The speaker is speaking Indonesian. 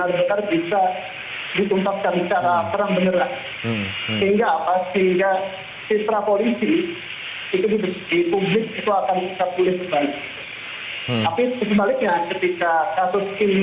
tapi sebaliknya ketika kasus ini berakhir dengan banyak perbaikan